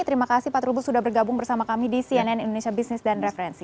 terima kasih pak trubus sudah bergabung bersama kami di cnn indonesia business dan referensi